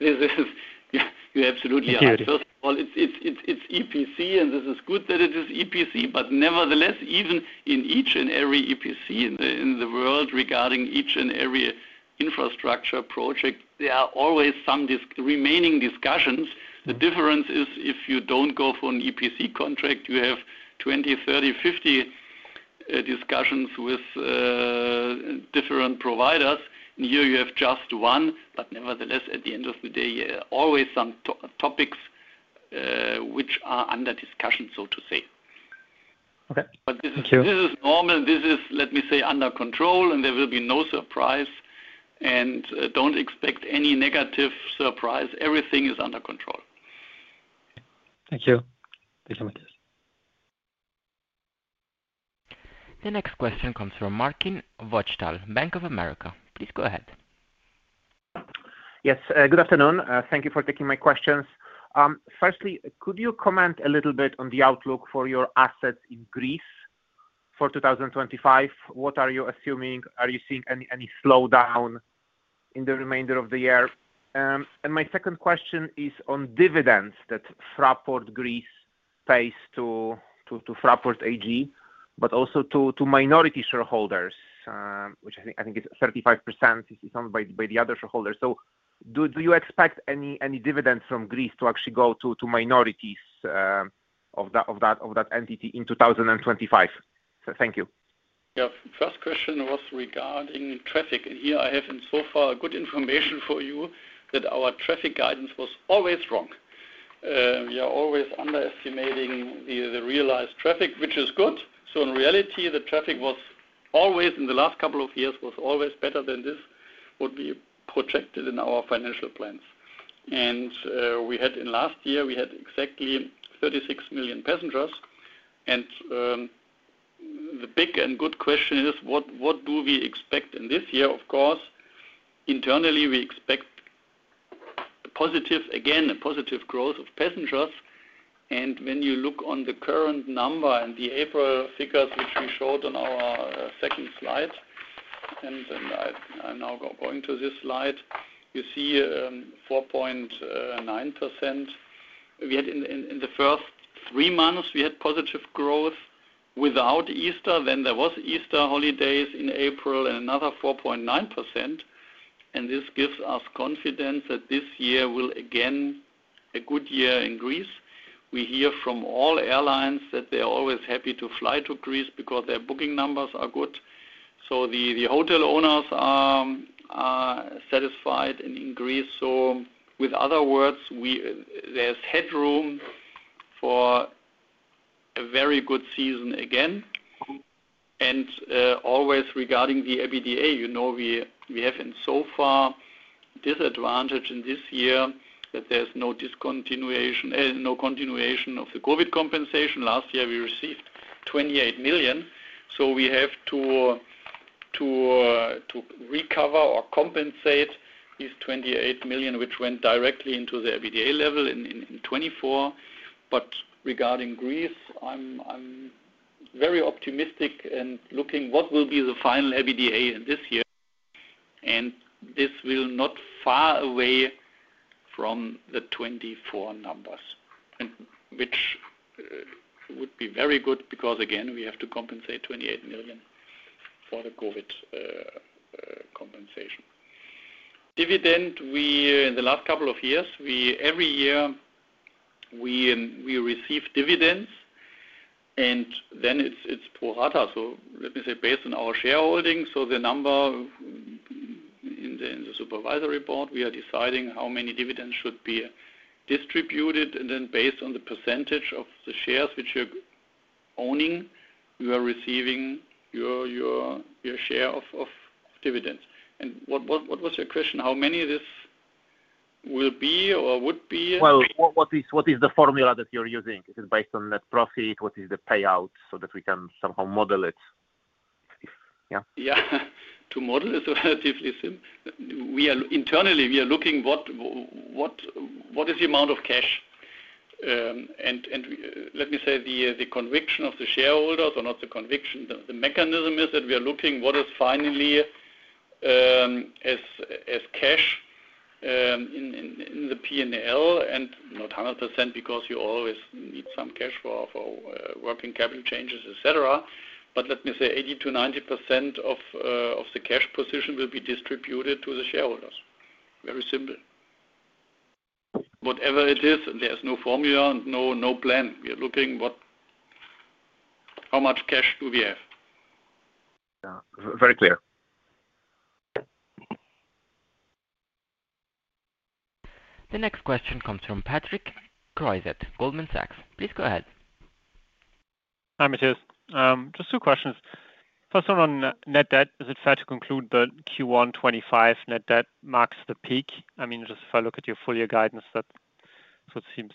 You absolutely are. First of all, it's EPC, and this is good that it is EPC. Nevertheless, even in each and every EPC in the world regarding each and every infrastructure project, there are always some remaining discussions. The difference is if you do not go for an EPC contract, you have 20, 30, 50 discussions with different providers. Here you have just one. Nevertheless, at the end of the day, always some topics which are under discussion, so to say. Okay. Thank you. This is normal. This is, let me say, under control, and there will be no surprise. Do not expect any negative surprise. Everything is under control. Thank you. Thank you so much. The next question comes from Marcin Wojtal, Bank of America. Please go ahead. Yes. Good afternoon. Thank you for taking my questions. Firstly, could you comment a little bit on the outlook for your assets in Greece for 2025? What are you assuming? Are you seeing any slowdown in the remainder of the year? My second question is on dividends that Fraport Greece pays to Fraport AG, but also to minority shareholders, which I think is 35% owned by the other shareholders. Do you expect any dividends from Greece to actually go to minorities of that entity in 2025? Thank you. Yeah. First question was regarding traffic. And here I have in so far good information for you that our traffic guidance was always wrong. We are always underestimating the realized traffic, which is good. In reality, the traffic was always in the last couple of years was always better than this would be projected in our financial plans. We had in last year, we had exactly 36 million passengers. The big and good question is, what do we expect in this year? Of course, internally, we expect a positive, again, a positive growth of passengers. When you look on the current number and the April figures, which we showed on our second slide, and I'm now going to this slide, you see 4.9%. In the first three months, we had positive growth without Easter. There were Easter holidays in April and another 4.9%. This gives us confidence that this year will again be a good year in Greece. We hear from all airlines that they are always happy to fly to Greece because their booking numbers are good. The hotel owners are satisfied in Greece. With other words, there is headroom for a very good season again. Always regarding the EBITDA, we have in so far disadvantage in this year that there is no continuation of the COVID compensation. Last year, we received 28 million. We have to recover or compensate these 28 million, which went directly into the EBITDA level in 2024. Regarding Greece, I am very optimistic and looking what will be the final EBITDA in this year. This will not be far away from the 2024 numbers, which would be very good because, again, we have to compensate 28 million for the COVID compensation. Dividend, in the last couple of years, every year we receive dividends, and then it is pro rata. Let me say based on our shareholding. The number in the Supervisory Board, we are deciding how many dividends should be distributed. Then based on the percentage of the shares which you are owning, you are receiving your share of dividends. What was your question? How many this will be or would be? What is the formula that you're using? Is it based on net profit? What is the payout so that we can somehow model it? Yeah? Yeah. To model is relatively simple. Internally, we are looking what is the amount of cash. Let me say the conviction of the shareholders, or not the conviction, the mechanism is that we are looking what is finally as cash in the P&L and not 100% because you always need some cash for working capital changes, etc. Let me say 80%-90% of the cash position will be distributed to the shareholders. Very simple. Whatever it is, there is no formula and no plan. We are looking how much cash do we have. Yeah. Very clear. The next question comes from Patrick Creuset, Goldman Sachs. Please go ahead. Hi, Matthias. Just two questions. First, on net debt, is it fair to conclude that Q1 2025 net debt marks the peak? I mean, just if I look at your full year guidance, it seems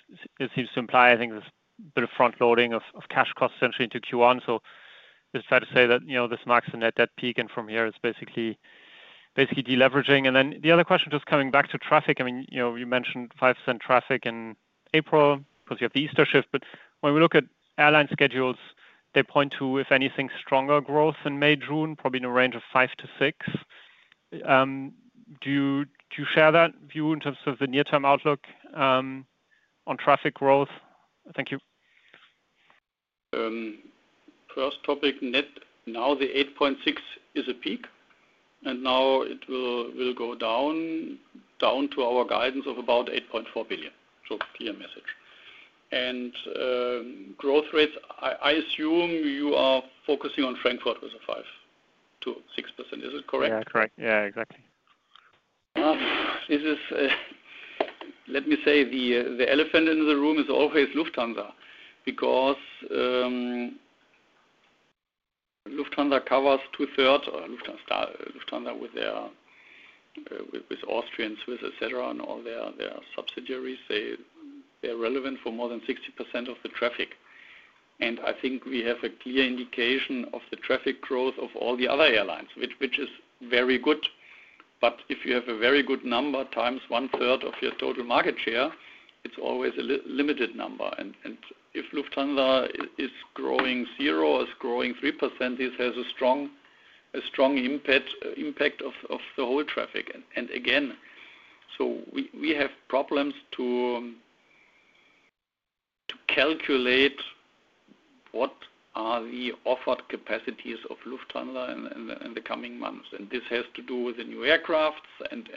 to imply I think there's a bit of front-loading of cash costs essentially into Q1. Is it fair to say that this marks the net debt peak and from here it's basically deleveraging? The other question just coming back to traffic, I mean, you mentioned 5% traffic in April because you have the Easter shift. When we look at airline schedules, they point to, if anything, stronger growth in May, June, probably in a range of 5%-6%. Do you share that view in terms of the near-term outlook on traffic growth? Thank you. First topic, net. Now the 8.6 is a peak. Now it will go down to our guidance of about 8.4 billion. Clear message. Growth rates, I assume you are focusing on Frankfurt with a 5%-6%. Is it correct? Yeah. Correct. Yeah. Exactly. This is, let me say, the elephant in the room is always Lufthansa because Lufthansa covers two-thirds or Lufthansa with Austrian, Swiss, etc., and all their subsidiaries. They're relevant for more than 60% of the traffic. I think we have a clear indication of the traffic growth of all the other airlines, which is very good. If you have a very good number times one-third of your total market share, it's always a limited number. If Lufthansa is growing zero or is growing 3%, this has a strong impact on the whole traffic. Again, we have problems to calculate what are the offered capacities of Lufthansa in the coming months. This has to do with the new aircraft and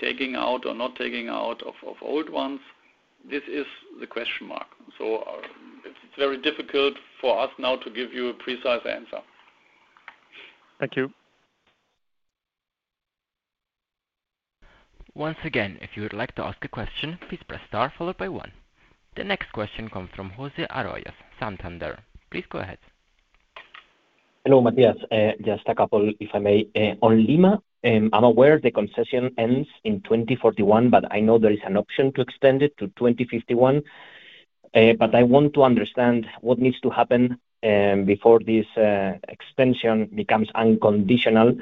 taking out or not taking out old ones. This is the question mark. It's very difficult for us now to give you a precise answer. Thank you. Once again, if you would like to ask a question, please press star followed by one. The next question comes from Jose Arroyo, Santander. Please go ahead. Hello, Matthias. Just a couple, if I may, on Lima. I'm aware the concession ends in 2041, but I know there is an option to extend it to 2051. I want to understand what needs to happen before this extension becomes unconditional.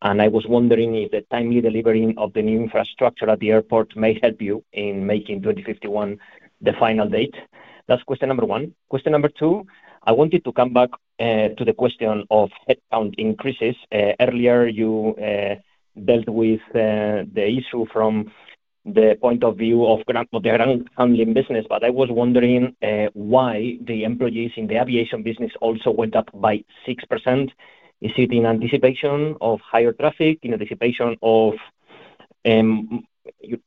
I was wondering if the timely delivery of the new infrastructure at the airport may help you in making 2051 the final date. That's question number one. Question number two, I wanted to come back to the question of headcount increases. Earlier, you dealt with the issue from the point of view of the ground handling business, but I was wondering why the employees in the aviation business also went up by 6%. Is it in anticipation of higher traffic, in anticipation of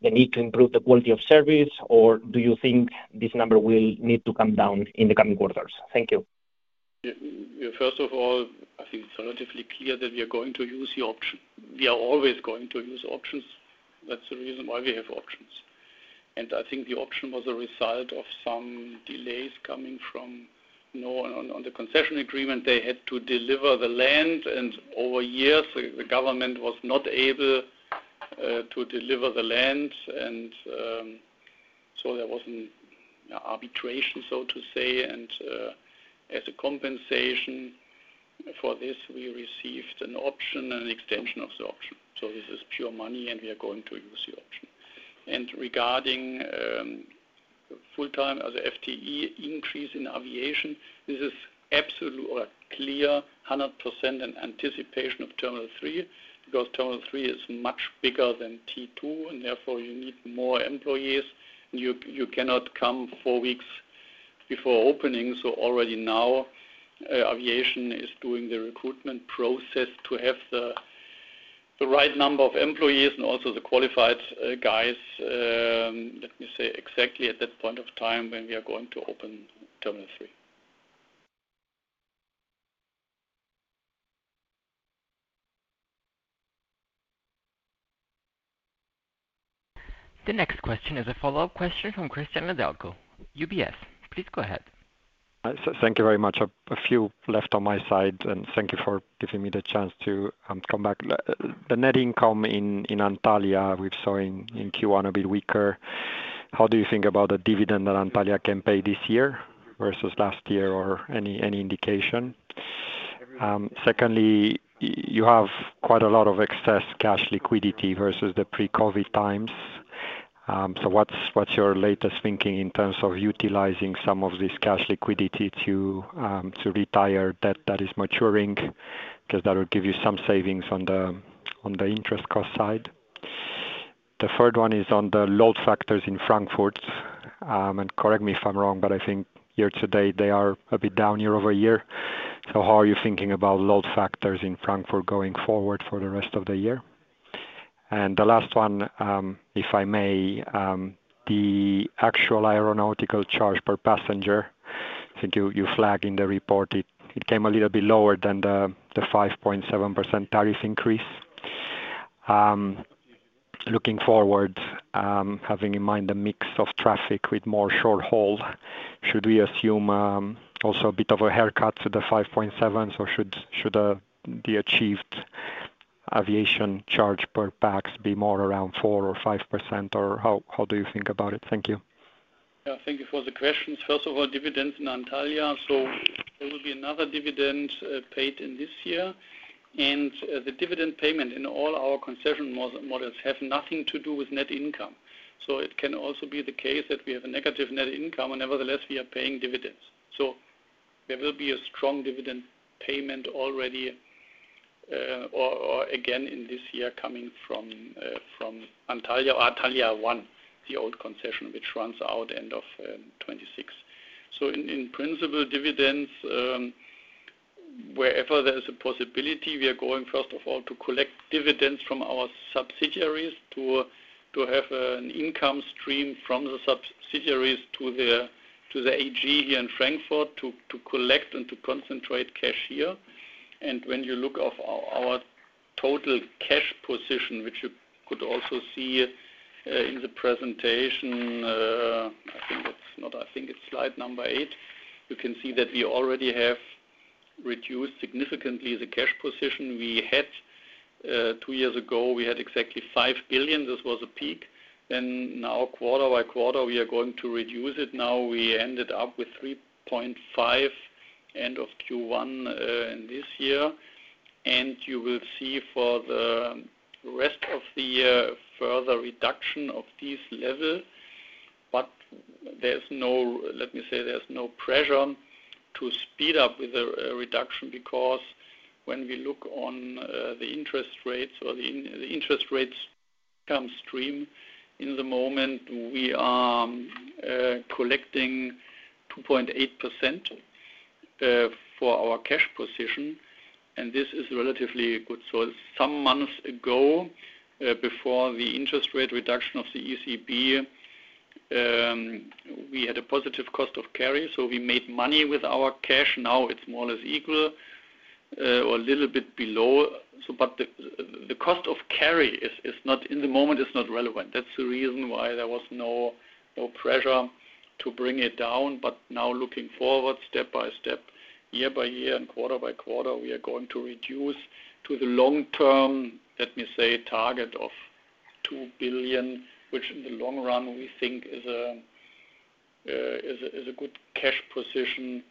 the need to improve the quality of service, or do you think this number will need to come down in the coming quarters? Thank you. First of all, I think it's relatively clear that we are going to use the option. We are always going to use options. That's the reason why we have options. I think the option was a result of some delays coming from on the concession agreement, they had to deliver the land. Over years, the government was not able to deliver the land. There was an arbitration, so to say. As a compensation for this, we received an option and an extension of the option. This is pure money, and we are going to use the option. Regarding full-time as FTE increase in aviation, this is absolute or clear 100% in anticipation of Terminal 3 because Terminal 3 is much bigger than T2, and therefore you need more employees. You cannot come four weeks before opening. Already now, aviation is doing the recruitment process to have the right number of employees and also the qualified guys, let me say, exactly at that point of time when we are going to open Terminal 3. The next question is a follow-up question from Cristian Nedelcu, UBS. Please go ahead. Thank you very much. A few left on my side, and thank you for giving me the chance to come back. The net income in Antalya, we saw in Q1 a bit weaker. How do you think about the dividend that Antalya can pay this year versus last year or any indication? Secondly, you have quite a lot of excess cash liquidity versus the pre-COVID times. What's your latest thinking in terms of utilizing some of this cash liquidity to retire debt that is maturing? Because that will give you some savings on the interest cost side. The third one is on the load factors in Frankfurt. Correct me if I'm wrong, but I think year to date, they are a bit down year over year. How are you thinking about load factors in Frankfurt going forward for the rest of the year? The last one, if I may, the actual aeronautical charge per passenger, I think you flagged in the report, it came a little bit lower than the 5.7% tariff increase. Looking forward, having in mind the mix of traffic with more short-haul, should we assume also a bit of a haircut to the 5.7%? Should the achieved aviation charge per pax be more around 4% or 5%, or how do you think about it? Thank you. Yeah. Thank you for the questions. First of all, dividends in Antalya. There will be another dividend paid in this year. The dividend payment in all our concession models has nothing to do with net income. It can also be the case that we have a negative net income, and nevertheless, we are paying dividends. There will be a strong dividend payment already or again in this year coming from Antalya or Antalya 1, the old concession, which runs out end of 2026. In principle, dividends, wherever there is a possibility, we are going first of all to collect dividends from our subsidiaries to have an income stream from the subsidiaries to the AG here in Frankfurt to collect and to concentrate cash here. When you look at our total cash position, which you could also see in the presentation, I think it is slide number eight, you can see that we already have reduced significantly the cash position. We had two years ago, we had exactly 5 billion. This was a peak. Now, quarter by quarter, we are going to reduce it. Now we ended up with 3.5 billion end of Q1 in this year. You will see for the rest of the year further reduction of this level. Let me say there is no pressure to speed up with a reduction because when we look on the interest rates or the interest rates come stream in the moment, we are collecting 2.8% for our cash position. This is relatively good. Some months ago, before the interest rate reduction of the ECB, we had a positive cost of carry. We made money with our cash. Now it is more or less equal or a little bit below. The cost of carry in the moment is not relevant. That is the reason why there was no pressure to bring it down. Now looking forward, step by step, year by year and quarter by quarter, we are going to reduce to the long-term, let me say, target of 2 billion, which in the long run, we think is a good cash position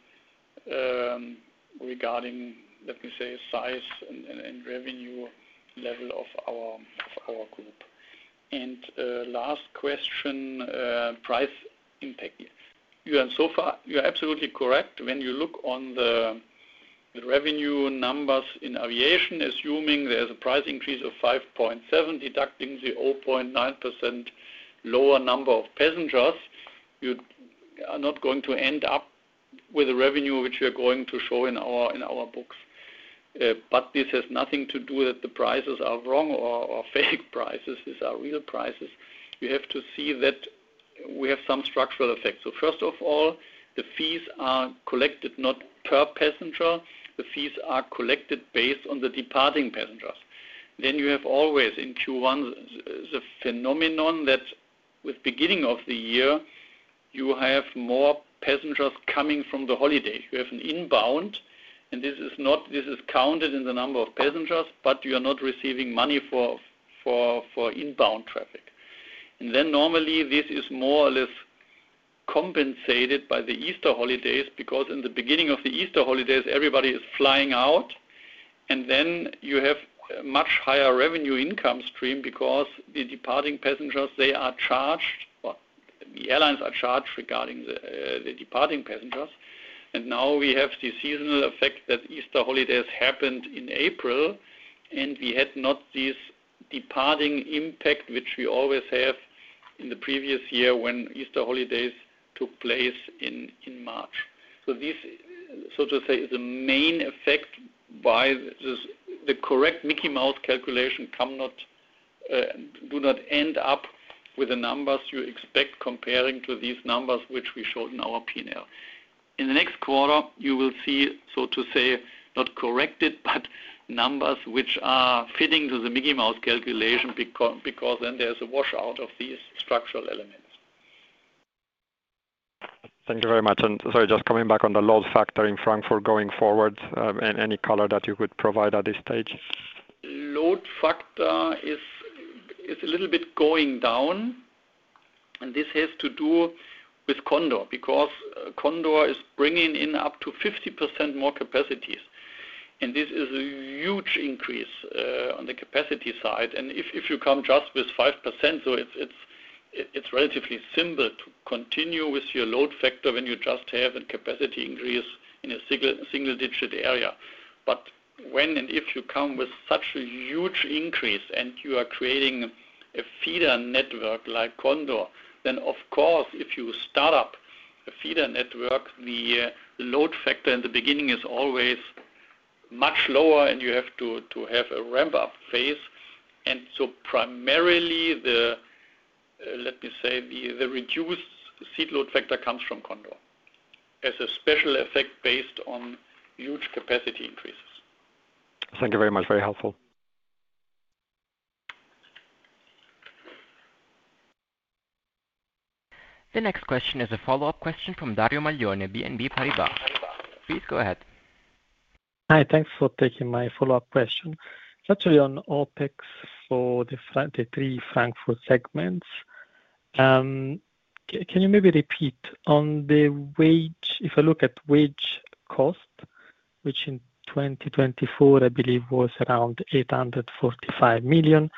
regarding, let me say, size and revenue level of our group. Last question, price impact. You are absolutely correct. When you look on the revenue numbers in aviation, assuming there is a price increase of 5.7%, deducting the 0.9% lower number of passengers, you are not going to end up with a revenue which we are going to show in our books. This has nothing to do that the prices are wrong or fake prices. These are real prices. You have to see that we have some structural effects. First of all, the fees are collected not per passenger. The fees are collected based on the departing passengers. You have always in Q1 the phenomenon that with beginning of the year, you have more passengers coming from the holidays. You have an inbound, and this is counted in the number of passengers, but you are not receiving money for inbound traffic. Normally, this is more or less compensated by the Easter holidays because in the beginning of the Easter holidays, everybody is flying out. You have a much higher revenue income stream because the departing passengers, they are charged, or the airlines are charged regarding the departing passengers. We have the seasonal effect that Easter holidays happened in April, and we had not this departing impact which we always have in the previous year when Easter holidays took place in March. This, so to say, is the main effect why the correct Mickey Mouse calculation does not end up with the numbers you expect comparing to these numbers which we showed in our P&L. In the next quarter, you will see, so to say, not corrected, but numbers which are fitting to the Mickey Mouse calculation because then there is a washout of these structural elements. Thank you very much. Sorry, just coming back on the load factor in Frankfurt going forward, any color that you could provide at this stage? Load factor is a little bit going down. This has to do with Condor because Condor is bringing in up to 50% more capacities. This is a huge increase on the capacity side. If you come just with 5%, it is relatively simple to continue with your load factor when you just have a capacity increase in a single-digit area. When and if you come with such a huge increase and you are creating a feeder network like Condor, of course, if you start up a feeder network, the load factor in the beginning is always much lower, and you have to have a ramp-up phase. Primarily, let me say, the reduced seat load factor comes from Condor as a special effect based on huge capacity increases. Thank you very much. Very helpful. The next question is a follow-up question from Dario Maglione, BNP Paribas. Please go ahead. Hi. Thanks for taking my follow-up question. It's actually on OPEX for the three Frankfurt segments. Can you maybe repeat on the wage? If I look at wage cost, which in 2024, I believe, was around 845 million.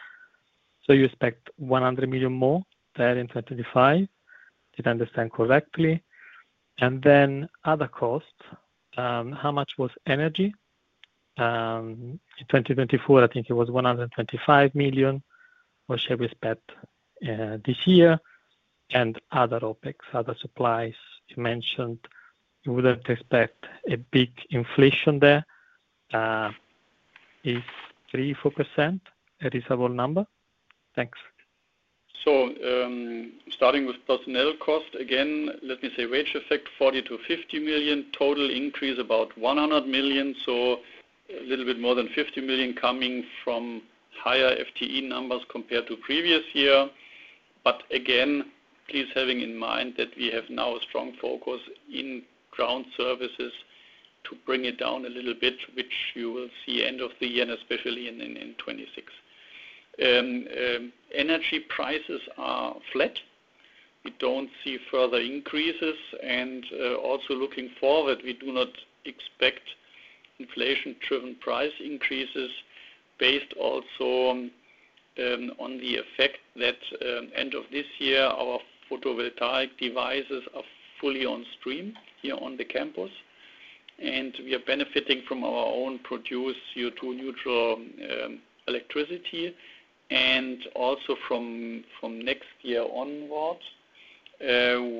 You expect 100 million more there in 2025, if I understand correctly. Other costs, how much was energy? In 2024, I think it was 125 million or share we spent this year. Other OPEX, other supplies you mentioned, you would not expect a big inflation there. Is 3%-4% a reasonable number? Thanks. Starting with personnel cost, again, let me say wage effect, 40 million-50 million, total increase about 100 million. A little bit more than 50 million coming from higher FTE numbers compared to previous year. Again, please have in mind that we have now a strong focus in ground services to bring it down a little bit, which you will see end of the year, especially in 2026. Energy prices are flat. We do not see further increases. Also looking forward, we do not expect inflation-driven price increases based also on the effect that end of this year, our photovoltaic devices are fully on stream here on the campus. We are benefiting from our own produced CO2-neutral electricity. Also from next year onwards,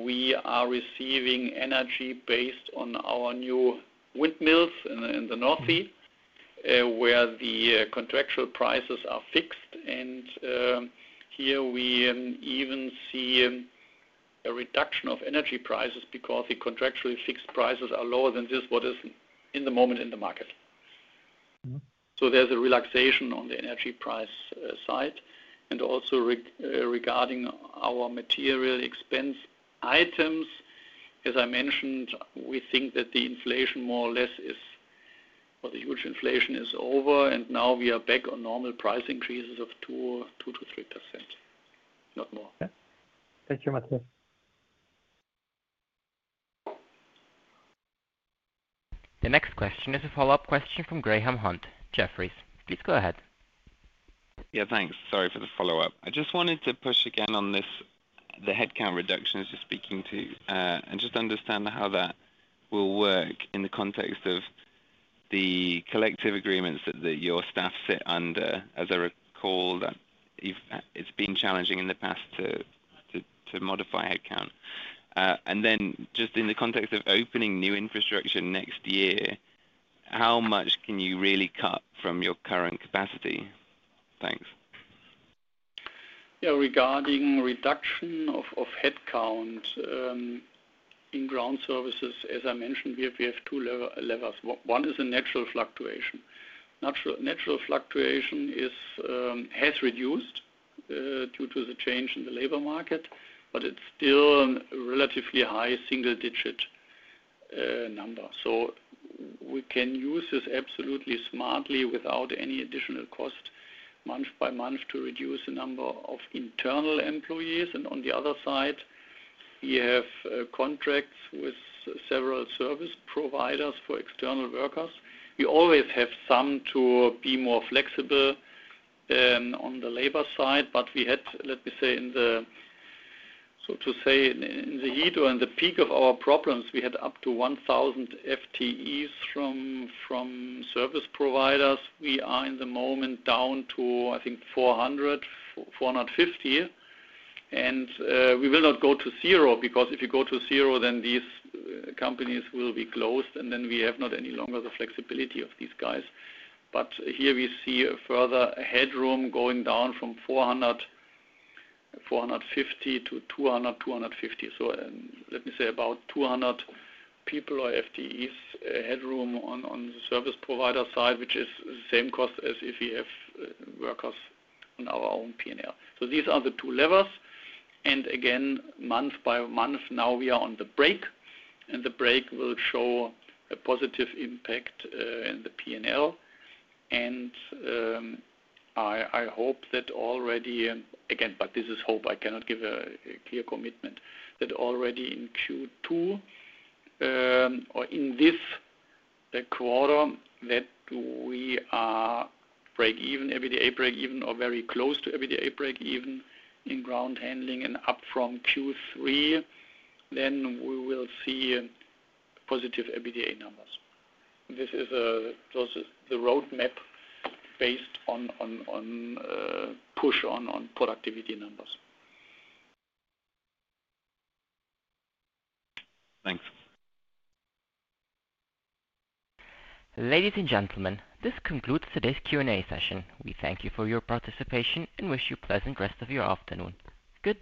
we are receiving energy based on our new windmills in the Northeast, where the contractual prices are fixed. Here we even see a reduction of energy prices because the contractually fixed prices are lower than what is in the market at the moment. There is a relaxation on the energy price side. Also, regarding our material expense items, as I mentioned, we think that the inflation, more or less, or the huge inflation, is over. Now we are back on normal price increases of 2%-3%, not more. Thank you very much. The next question is a follow-up question from Graham Hunt, Jefferies. Please go ahead. Yeah, thanks. Sorry for the follow-up. I just wanted to push again on this, the headcount reduction as you're speaking to, and just understand how that will work in the context of the collective agreements that your staff sit under. As I recall, it's been challenging in the past to modify headcount. In the context of opening new infrastructure next year, how much can you really cut from your current capacity? Thanks. Yeah. Regarding reduction of headcount in ground services, as I mentioned, we have two levels. One is a natural fluctuation. Natural fluctuation has reduced due to the change in the labor market, but it is still a relatively high single-digit number. We can use this absolutely smartly without any additional cost, month by month, to reduce the number of internal employees. On the other side, we have contracts with several service providers for external workers. We always have some to be more flexible on the labor side. We had, let me say, in the, so to say, in the heat or in the peak of our problems, we had up to 1,000 FTEs from service providers. We are in the moment down to, I think, 400-450. We will not go to zero because if you go to zero, then these companies will be closed. We have not any longer the flexibility of these guys. Here we see further headroom going down from 400-450 to 200-250. Let me say about 200 people or FTEs headroom on the service provider side, which is the same cost as if we have workers on our own P&L. These are the two levels. Again, month by month, now we are on the break. The break will show a positive impact in the P&L. I hope that already, again, but this is hope. I cannot give a clear commitment that already in Q2 or in this quarter, that we are break even, EBITDA break even, or very close to EBITDA break even in ground handling and up from Q3, then we will see positive EBITDA numbers. This is the roadmap based on push on productivity numbers. Thanks. Ladies and gentlemen, this concludes today's Q&A session. We thank you for your participation and wish you a pleasant rest of your afternoon. Good.